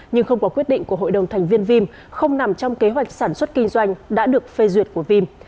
nhưng không có quyết định của hội đồng thành viên vim không nằm trong kế hoạch sản xuất kinh doanh đã được phê duyệt của vim